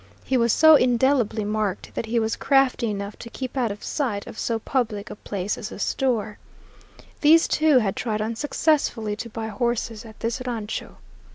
He was so indelibly marked that he was crafty enough to keep out of sight of so public a place as a store. These two had tried unsuccessfully to buy horses at this rancho.